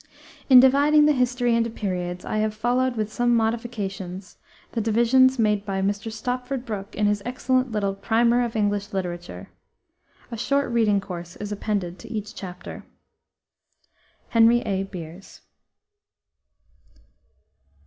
In dividing the history into periods, I have followed, with some modifications, the divisions made by Mr. Stopford Brooke in his excellent little Primer of English Literature. A short reading course is appended to each chapter. HENRY A. BEERS.